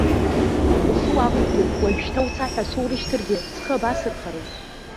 Ухы уақәиҭуп, уажәшьҭа уца ҳәа соурышьҭыргьы, схы абасырхарыз?!